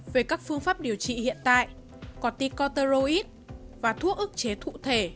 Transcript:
về các phương pháp điều trị hiện tại có ticoteroid và thuốc ức chế thụ thể